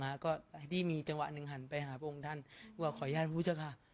แล้วก็นี่มีจังหวะหนึ่งหันไปหาพระองค์ท่านว่าขออนุญาตพูดเถอะค่ะ